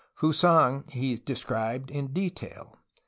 Fusang he described in detail.